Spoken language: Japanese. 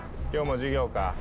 今日も授業か？